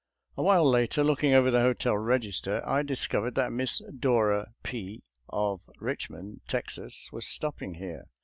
A while later, looking over the hotel register, I discovered that Miss Dora P of Richmond, Texas, was stopping here.